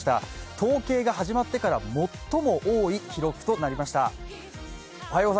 統計が始まってから最も多い記録となりました。